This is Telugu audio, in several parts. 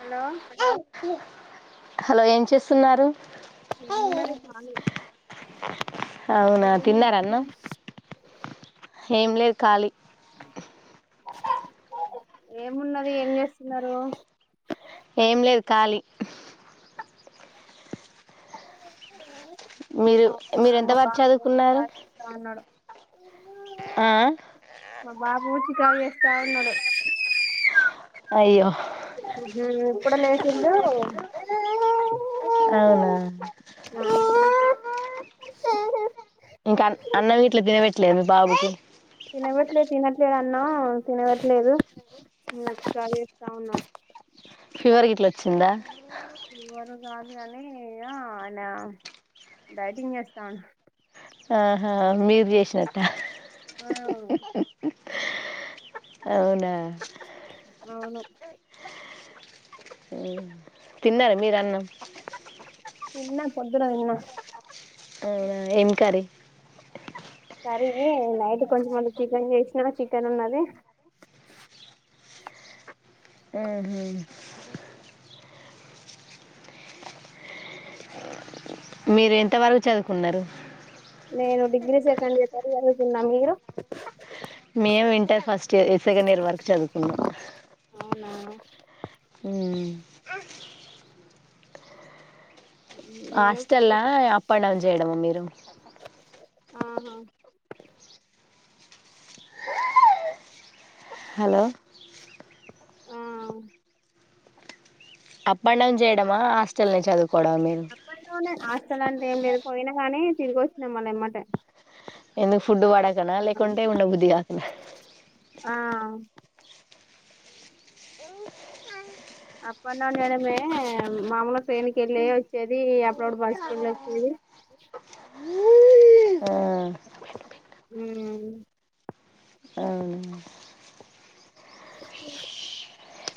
హలో అ [unintelligible] హలో! ఏం చేస్తున్నారు? మేమున్నాలి చాలు న, అవునా ఏం తిన్నార అన్నం చేస్తున్నారు? ఏం లేదు ఖాళీ ఏమున్నది ఏం చేస్తున్నరు ఏం లేదు కాళీ మీరు మీరు ఎంత వరకు చదువుకున్నారు ఉన్నాడు ఆ మా బాబు చికాక్ చేస్తా ఉన్నాడు అయ్యో ఉహు ఇప్పుడె లేశిండు అవునా స ఇంకా అన్నం గిట్ల తినబెట్లేద మీ బాబుకి తినబెట్లే తినట్లేదు అన్నాం తినబెట్లేదు ఎక్సట్రా చేస్తా ఉన్నాం ఫీవర్ గిట్లా వచ్చిందా ఫీవర్ కాదు కనీ ఆయన డైటింగ్ చేస్తాండు ఆహా మీరు చేసినట్ట అవునా అవును ఉ తిన్నర మీరు అన్నం తిన్న పొద్దున తిన్న అవునా ఏంకారీ కరీ నైట్ కొంచమంత చికెన్ చేసిన చికెన్ ఉన్నది ఆహా మీరు ఎంతవరకు చదువుకున్నారు నేను డిగ్రీ సెకండ్ ఇయర్ వరకు చదువుకున్న మీరు మేము inter first year second year వరకు చదువుకున్నాం అవునా నేను హాస్టల్లా అప్ అండ్ డౌన్ చేయడమ మీరు ఆహా హలో ఆ అప్ అండ్ డౌన్ చేయడమా హాస్టల్నే చదువు అప్పట్లో నే హాస్టలన్ ఏం లేదు పోయినా గనీ తిరిగి వచ్చిన మళ్ళ ఎమ్మటే ఎందు ఫుడ్ పడకనా లేకుంటే ఉండబుద్దిగా ఇ ఆ అప్పండౌన్ చెయ్యడమే మామూలుగా ట్రైన్ కి వెళ్ళి వచ్చేది అప్పుడప్పు బస్కి వెళ్ళి వచ్చేది ఆ ఉమ్ అవునా ఉమ్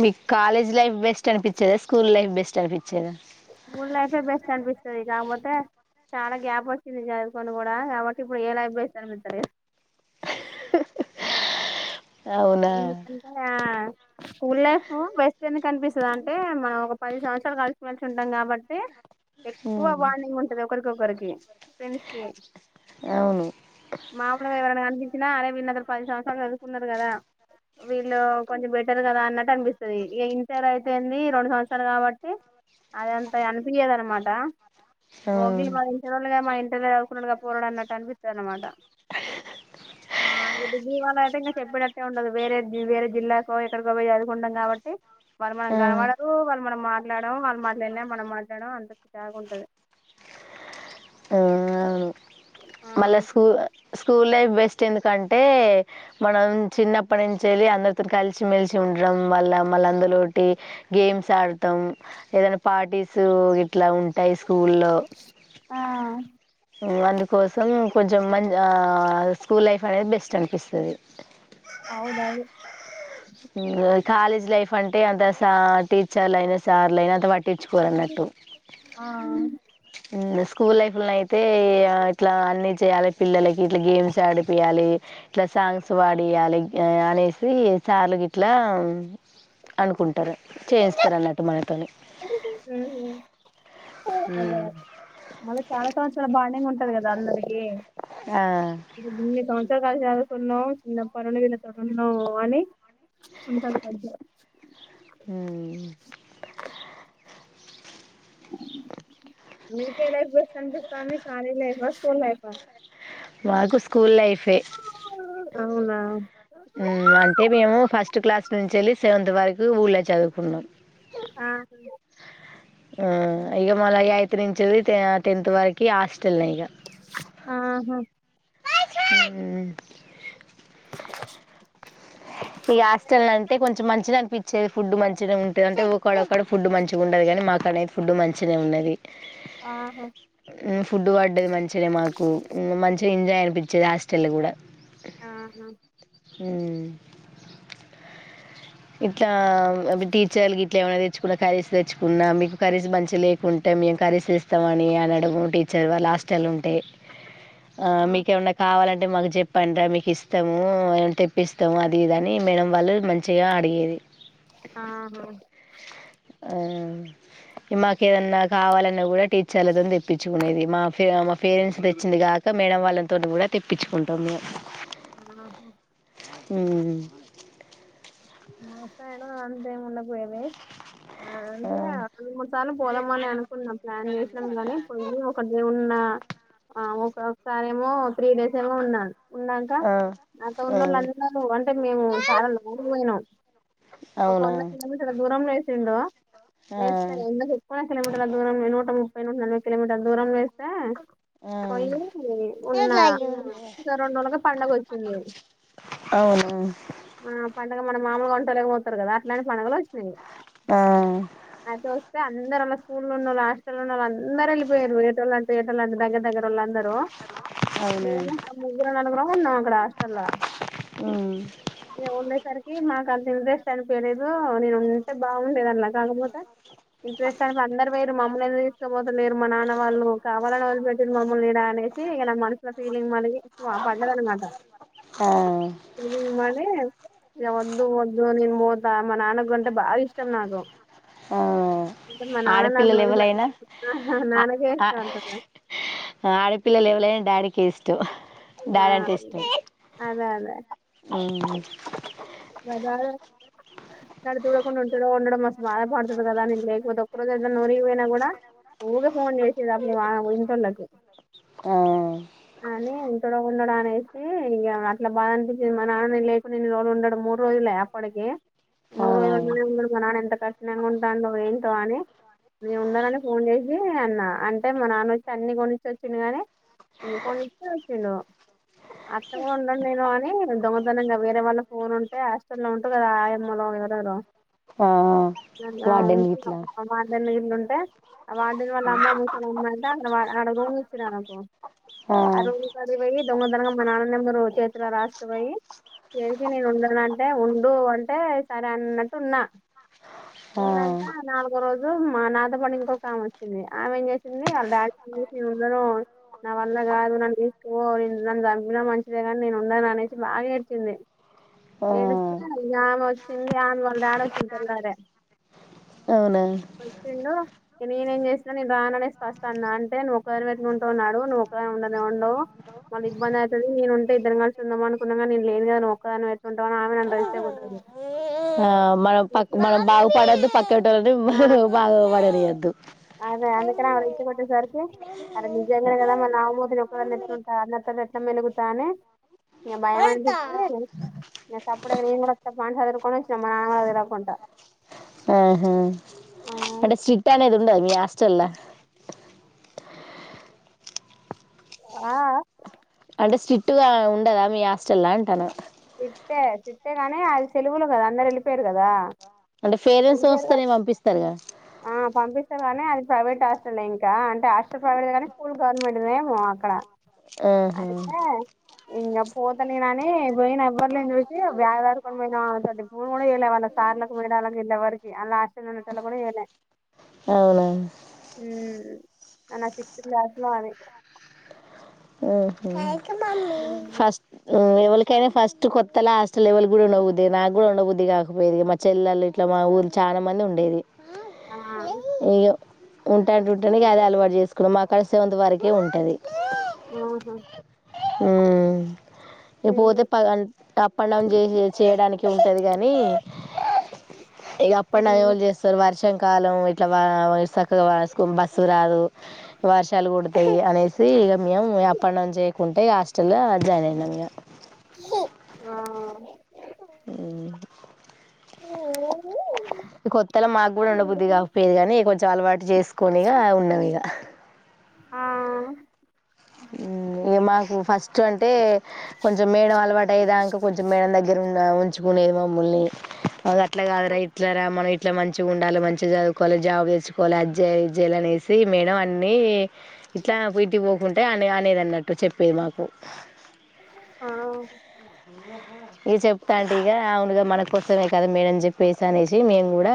మీకు కాలేజ్ లైఫ్ బెస్ట్ అనిపిచ్చేదా స్కూల్ లైఫ్ బెస్ట్ అనిపిచ్చేదా స్కూల్ లైఫే బెస్ట్ అనిపిస్తది కాపోతే చాలా గ్యాప్ వచ్చింది చదువుకొని కూడా కాబట్టి ఇప్పుడు ఏ లైఫ్ బెస్ట్ అనిపిత్తలేదు అవునా ఎందుకంటే ఆ స్కూల్ లైఫ్ బెస్ట్ ఎందుకు అనిపిస్తది అంటే మనం ఒక పది సంవత్సరాలు కలిసిమెలిసి ఉంటాం కాబట్టి ఎక్కువ ఉమ్, బాండింగ్ ఉంటది ఒకరికొకరికి ఫ్రెండ్స్ కి అవును మామలుగా ఎవరైనా కనిపిచ్చినా అరే వీళ్లు నాతోటి పది సంవత్సరాలు చదువుకున్నారు కదా వీళ్ళు కొంచెం బెటర్ కదా అన్నట్టు అనిపిస్తది ఇగ ఇంటర్ అయితేంది రెండు సంవత్సరాలు కాబట్టి అద అంత అనిపియ్యదు అనమాట ఆ ఓ గిల్లు మన ఇంటరోళ్లు మా ఇంటర్ ల చదువుకున్నడు గా పోరాడు అన్నట్టు అనిపిత్తది అనమాట ఆ ఈ డిగ్రీ వాళ్ళ అయితే ఇంకా చెప్పేటట్ ట్టె ఉండదు వేరే వేరే జిల్లాకో ఎక్కడికో పోయి చదువుకుంటాం కాబట్టి ఆ వాళ్ళుమనకనపడరు వాళ్ళు మనం మాట్లాడం వాళ్ళు మాట్లాడినా మనం మాట్లాడం అంత చికాక్ వుంటది ఆ అవును మళ్ళా స్కూ స్కూల్ లైఫ్ బెస్ట్ ఎందుకంట్ మనం చిన్నప్ ప్పడి నుంచి వెళ్ళి అందరితో కలిసి, మెలిసి ఉండటం వాళ్ల. మళ్ళ అందలోటి గేమ్స్ ఆడుతాం, ఏదైనా పార్టీస్ ఇట్లా ఉంట్ టై స్కూల్లో ఆ అందుకోస్ ఉహ్ కొంచెం మ స్కూల్ లైఫ్ అనేది బెస్ట్ అనిపిస్తది. అవునవును మ్మ్ కాలేజ్ లైఫ్ అంటే. అంత సా టీచర్ల అయినా సార్లయినా అంత పట్ టిచ్చుకోరాన్నట్టు. ఆ ఉమ్. ఆహ్ స్కూల్ లైఫ్లో అయితే. ఇగ ఆ ఇట్లా అన్నీ చేయాలి, పిల్లలకి ఇట్లా గేమ్స్ ఆడిపియాలి, ఇట్లా సాంగ్స్ వాడియాలి. అనేసి సార్ గిట్లా అనుకుంటారు. చేయిస్తారన్నట్టు మనతోని హ్మ్ హు అదే అదే మళ్ళ చాలా సంవత్సరాలు బాండింగ్ ఉంటది గదా. అందరికీ ఆ మీ [inaudible] పుస్తకాలు చదువుకున్నాం, చిన్నప్పటినుండి వీళ్ళతో ఉన్నాం. అని అన్నిసార్లు కలిసే ఆహ్ అహ్ మీకే లైఫ్ బెస్ట అనిపిస్తాంది. College life, school life. మాకు స్కూల్ లైఫే ఆ అవునా ఉమ్మ్ అంటే మేము ఫస్ట్ క్లాస్ నుంచ్చెళ్ళి సెవెంత్ వరకు ఊళ్లే చదువుకున్నాం. ఆ ఆహ్ ఇగ మళ ఎయిత్ నుంచ్చెల్లి తే టెన్త్ వరకి, ఆస్ టేల్లెగ ఆహా హ్మ్ ఇగ హాస్టల్ అంటే కొంచెం మంచిగా అనిపించేది ఫుడ్ మంచిగా ఉంటది అక్కనే ఫుడ్ మంచినే ఉన్నది. ఆ ఉమ్ ఫుడ్ పడ్డది మంచినే మాకు. ఉమ్ మంచ్ చేంజాయ్ అనిపించేది హాస్టల గూడా ఆహా ఉమ్మ్ ట్లా అ టీచర్ల్ గిట్లా ఏమన్నా తెచ్చుకున్న కర్రీస్ తెచ్చుకున్న, మీకు కర్రీస్ మంచి లేకుంటే మేము కరీస్ ఇస్తామని, అనడము టీచర్ వాళ్ళ హాస్టల్ ఉంటే. ఆ ఆహా మీకేమన్నా కావాలంట్ అంటే మాకు చెప్పండరా మీకు ఇస్తాము, తెప్పిస్తాము, అది ఇదిని మేడం వాళ్ళు. మంచ్ గా అడిగేది ఆహా ఆ [unintelligible] ఇగ మాకు ఏదన్నా కావాలన్నా గూడా టీచర్లదోని తెప్పించుకునేది మా ఫె మా పేరెంట్స్ తెచ్చింది గాక. మేడం వాళ్ళతోటి గూడా తెప్పించుకుంటాం మేం. ఆ హా మ్మ్ అంత ఏం ఉండబోయేది ఆ అంటే ఆ రెండు మూడు సార్లు పోదామని అనుకున్నా ప్లాన్ చేసినాం గానీ పొయ్యి ఒక దే ఆ ఒక ఒకసారేమో త్రీ డేస్ ఏమో ఉన్న, ఉన్నంక ఆ నాతో ఉన్నోళ్ళు ఆ అందరు అంటే మేము చాల లాంగ్ పొయినం. ఒక అవునా వంద కిలోమీటర్ల దూరంలో ఏ సిండో ఆ ఏస్తా ఎందుకు చెప్పు కిలోమీటర్ల దూరంలో నూట ముప్పై, నూట నలభై కిలోమీటర్ల దూరంలో ఏస్తా ఆ పొయీ ఉన్న రెండు [inaudible] రోజులకే పండగ వొచ్చింది. అవునా ఆ పండగ మనం మాములుగ వంటలకి పోతరు కదా అట్లా పండుగలు వొచ్చినయి. ఆ తే అందరోళ్ళ, స్కూల్లున్నోళ్ళ, హాస్టల్లున్నోళ్ళ అందరు ఎళ్ళిపొయిరు పోయేటోలం దెగెటోలంత దగ్గర దగ్గర లందరూ. అవునా మేము ఒక ముగ్గురం నలుగురం ఉన్నాం అక్కడ హాస్టల్లా ఉమ్ కి మాకంత ఇంట్రెస్ట్ అనిపోయలేదు నేను ఉంటే బాగుండేది అని కాకపోతే ఇంట్రెస్ట్ అని అందరు పొయిరు మమ్మల్ని తీసుకపోత లేరు మా నాన్న వాళ్ళు కావాలని వదిలిపెట్టిరు మమ్మల్ని యిడా అనేసి ఇగ నా మనసులో ఫీలింగ్ మరీ ఎక్కువ పడ్డది అనమాట. ఆ ఫిలింగ్ మరి ఇగ ఒద్దు ఒద్దు నేన్ పోతా మా నాన్న గొం టే బాగా ఇష్టం నాకు. ఆ మా నాన్న నన్ను ఆడపిల్లలు ఎవలైనా వదిలిపెట్టాలని చూసిన, ఆ నాన్నకే ఇష్టపడుత ఆ అట్లా కిస్టం డాడి అంటే ఇష్టం అదే మ్మ్ దర్జాగా నన్ను చూడకుంట ఉంటడో ఉండడో మస్త్ బాద పడుతుండు గదా నేను లేకపోతే ఒక్క రోజు ఏదన ఊరికి పోయినా గూడ ఊకె ఫోన్ జేసేది అప్పుడు మా ఇంటోళ్ళకు ఉమ్ అని ఇక్కడ ఉండడాని అనేసి ఇగ అట్లా బా అనిపించి మా నాన్న నేను లేకుండ ఇన్ని రోజులు ఉండ మూడు రోజులే అప్పడికి ఆ మూడు అవునా రోజులుండనే ఉండడు మా నాన్న ఎంత కఠినంగా ఉంటా అని పొయింటో గానీ నేను ఉండననే ఫోన్ చేసి అన్నా అంటే మా నాన్న వచ్చి అన్ని కొన్నిచ్చోచ్చిండు గాని మ్మ్ కొనిచ్చి వచ్చిండు అట్ట కూడ ఉండను నేను అని దొంగతనంగా వేరే వాళ్ళ ఫోన్ ఉంటే హాస్టల్లో ఉంటు గదా ఆయమ్మలో ఎవరెవరో ఆ వార్డెన్ గిట్ల ఇంగతే అ వార్డెన్‌ వాళ్ళ అమ్మ ముసలమ్మా అంట వా ఆడ రూం ఇచ్చిరనుకో ఆ రోజు పనికి బోయిన్ దొంగతనంగా మానాన్న నెంబరు చేతులో రాస్కుబోయి ఎ నేనిడ ఉండనంటే ఉండు అంటే సరే అన్నట్టు ఉన్నా ఆ ఉన్నంక నాలుగో రోజు ఈ రోజు మా నాతో పాటు ఇంకొకమె వచ్చింది ఆమె ఏం జెసింది అల్ డాడీ కి జెసి నేను ఉండను నా వల్ల గాదు నన్ దీస్కోపో నేన్ నన్ జంపిన మంచిదే గాని నేను ఉండననేసి బాగా ఏడ్చింది. ఆ ఏడిస్తే ఆమె వచ్చింది ఆమె వాళ్ళ డాడి వచ్చిండు తెల్లారే అవునా వచ్చిండు నేనేం జెసిన నేను రాననేస్ ఫస్ట్ అన్నా అంటే నువ్వు ఒక దానివే ఎట్ల ఉంటవ్ నడువ్ నువ్వు ఒక్కదానివే ఉండు అంటే ఉండవు మళ్ళి ఇబ్బంది అయితది నేను ఉంటే ఇద్దరం గల్సి ఉందాం అనుకున్నా గాని నేన్ లేనుగా నువ్వు. ఒక్కదానివె ఎట్ల ఉంటవ్ అని ఆమె నన్ను రెచ్చగొట్టింది ఆహ్ మనం పక్కు మనం బాగు పడొద్దు పక్కింటో ఆ బాగు పడద్ ఒరియద్దు అదే అందుకని ఆమె రెచ్చ గొట్టేసరికి అరె నిజంగనే గదా మళ్ళ ఆమె బోతె నేన్ ఒక దాన్నే ఎట్లుంటా అన్న అందరితోని ఎట్లా మెలుగుతా అని ఇగ భయం అనిపించి ఇగ సప్పుడు జేయగుండ నేన గూడ వత్త పా సదురుకొని వచ్చినం మా నాన్న గూడ తెల్వకుంటా. హ్మ్ హు అంటే స్ట్రీట్ అనేది ఉండద్ మీ హాస్టల్ల అఆహ్హ్ అంటే స్ట్రిట్‌గా ఉండదా మీ హాస్టల్ అంటాన సిట్టే సిట్టే గాని అది సెలవులు గదా అందరు ఎళ్ళిపోయారు గదా అంటే ఫేరెన్స్ వస్తానే పంపిస్తారుగా గానీ అది ప్రైవేట్ హస్టలే ఇంకా అంటే హాస్టల్ ప్రైవేట్దె గాని స్కూల్ గవర్మెంట్దెమో అక్కడ హ్మ్ హు పోతనేననీ పోయినా ఎవ్వరు లేనిది బ్యాగ్స్ సదురుకొని పోయినా సార్లక్ ఫోన్ గూడా జెయలే సార్లకు పోయిన అలాగ ఎళ్ళె వరక్ ఆల్ల హాస్టల్ లో ఉండేటోళ్ళు గూడా చేయలే అవునా అన సిక్స్త్ క్లాస్ లో అనే హ్మ్ హు ఫస్ట్ ఎవల్ కాని ఫస్ట్ కొత్తల హాస్టల్లో ఎవ్వల్ గుల్ అవ్వుద్దె నాకు గూడా ఉండబుద్ది కాకపోయేది మా చెల్లెలు ఇట్ల మా ఊరు చాలా మంది ఉండేది. ఆ ఇగో ఉంటా ఉంటెనె గదా అలవాటు జెస్కున్నాం మా కాడ సెవెంత్ వరకే ఉంటది. ఆహా హ్మ్ ఇగ పోతే పగన్ అప్ అండ్ డౌన్ జెహె చేయడానికి ఉంటది గానీ ఇగ అప్ అండ్ డౌన్ ఎవ్వల్ జెస్తారు వర్ష. వర్షంకాలం ఇట్ల వా వయ్ సక్కగ వర్షం బస్సు రాదు వర్షాలు గొడతాయి అనేసి ఇగ. మియవ్ అప్ అండ్ డౌన్ జెయకుంటే కాష్ట ఆడ జాయిన్ అయిన ఇం ఆహ్ ఉమ్ కొత్తలా మాకు కూడా ఉండ బుద్ధది కాకపోయేది కాగానీ కొంచెం అలవాటు చేసుకొనిగా ఉన్నాం ఇగ ఉమ్ ఏ మాకు ఫస్ స్ట్ అంటే కొంచెం మేడం అలవాటు అయ్యేదాకా మేడం దగ్గర ఉంటూ గా ఉంచుకొని మమ్మల్ని అట్ల కాదురా ఇట్లారా మన ఇ ఇట్లా మంచిగా ఉండాలి మంచిగా చదువుకోవాలి జాబ్ తెచ్చుకోవాలి అది జేయ్ ఇది జే యాలా అనేసి మేడం అన్ని ఇట్లా కుంటే అ అనేది అన్నట్టు చెప్పేది మాకు ఆ ఇక చెప్తాఆంటీగా ఇగ అవునుగా మన కోసమే కదా మేడం చెప్పేసి అనేసి మేము కూడా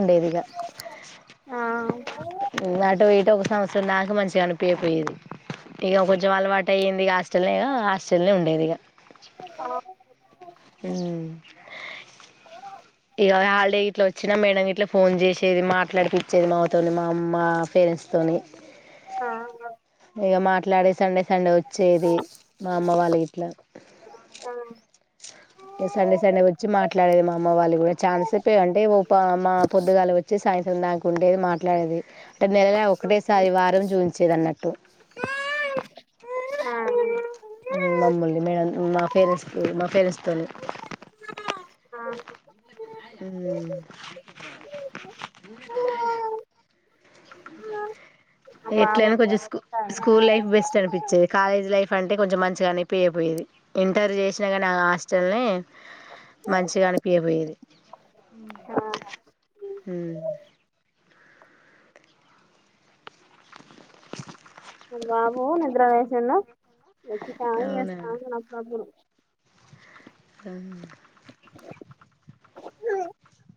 ఉండేది ఇగా ఆ అటు ఇటు ఒక సంవస్ సో నాకు మంచిగా అనిపియ కపోయేది ఇక కొంచెం అలవాటు అయ్యింది ఇక హస్టల్నే ఇక హాస్టల్నే ఉండేది ఇక ఆ ఉమ్ ఇగ హాలిడే ఇట్లా వచ్చినా మేడం ఇట్లా ఫోన్ చేసేది మాట్లాడిపి చ్చేది మాతోని మా అమ్మ పేరెంట్స్ తోని ఆ ఇగా మాట్లాడే సండే సండే వచ్చేది మా అమ్మ వాళ్ ఇట్లా ఆ ఇ సండే సండే వచ్చి మాట్లాడేది మా అమ్ వాళ్ కూడా చాలాసేపు అంటే ఒప మా పొద్దుగాలే వచ్చి సాయం నాకు ఉండేది మాట్లాడేది నెలల ఒకటే సారి వారం జూ విన్చేదన్నట్టు ఆ ఉమ్ మమ్మూల్ని మేడం మా ఫేరెంట్స్ ఆ మా ఫేరెంట్స్తోనే ఆ ఉమ్ మా బాబు ఎట్లైన కొంచెం స్కూ మా స్కూల్ లైఫ్ బెస్ట్ అనిపించేది కాలేజ్ లైఫ్ అంటే కొంచెం మంచిగా అని పోయే పోయేది ఇంటర్ చేసినాగానీ హాస్టల్ని మంచిగా అనిపియకపోయేది మా బాబు నిద్ర లేసిండు వచ్చి సాయ్ అవునా అస్తంది నసపుడు ఆ లే